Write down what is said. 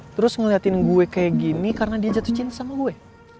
terus ngeliatin gue kayak gini karena dia jatuh cinta sama gue